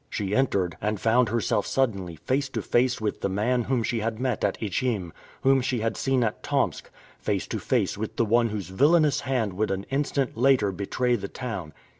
She entered, and found herself suddenly face to face with the man whom she had met at Ichim, whom she had seen at Tomsk; face to face with the one whose villainous hand would an instant later betray the town!